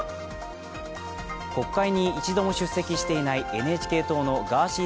国会に一度も出席していないＮＨＫ党のガーシー